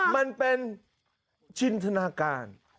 มันเป็นชินทนาการ